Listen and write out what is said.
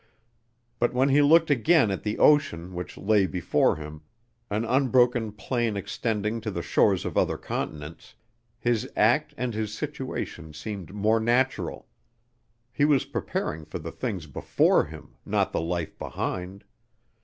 But when he looked again at the ocean which lay before him an unbroken plain extending to the shores of other continents, his act and his situation seemed more natural. He was preparing for the things before him, not the life behind.